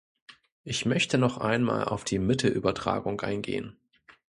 Ich möchte noch einmal auf die Mittelübertragung eingehen.